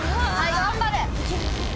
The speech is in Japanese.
頑張れ。